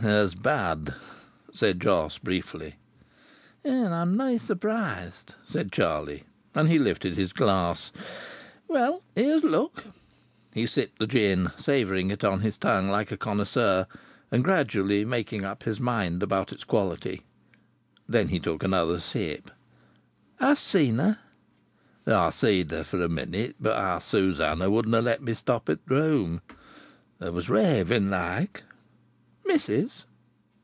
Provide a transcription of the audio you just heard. "Her's bad," said Jos, briefly. "And I am na' surprised," said Charlie. And he lifted the glass. "Well here's luck." He sipped the gin, savouring it on his tongue like a connoisseur, and gradually making up his mind about its quality. Then he took another sip. "Hast seen her?" "I seed her for a minute, but our Susannah wouldna' let me stop i' th' room. Her was raving like." "Missis?"